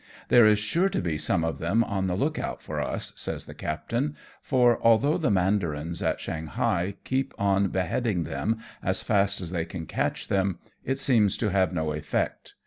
" There is sure to be some of them on the look out for us," says the captain, "for, although the mandarins at Shanghai keep on beheading them as fast as they can catch them, it seems to have no effect.